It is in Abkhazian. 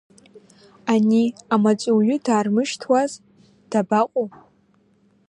Ани амаҵуҩы даармышьҭуаз, дабаҟоу?!